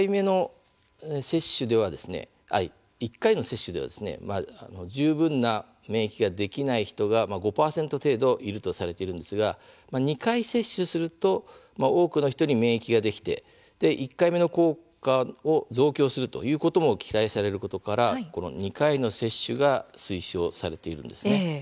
１回の接種では十分な免疫ができない人が５％程度いるとされていますが２回接種すると多くの人に免疫ができて１回目の効果の増強も期待されることから２回の接種が推奨されているんです。